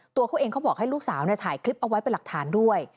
ตัวเขาเองเขาบอกให้ลูกสาวถ่ายคลิปเอาไว้เป็นหลักฐานด้วย